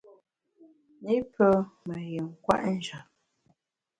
I pe me yin kwet njap.